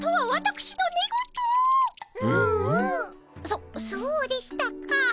そそうでしたか。